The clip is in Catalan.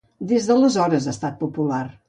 Des d'aleshores ha estat popular.